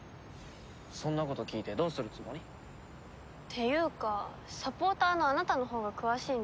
そんなこと聞いてどうするつもり？っていうかサポーターのあなたのほうが詳しいんじゃ？